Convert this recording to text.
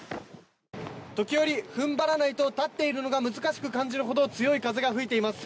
時折、踏ん張らないと立っているのが難しく感じるほど強い風が吹いています。